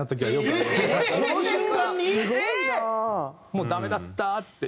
もうダメだったって。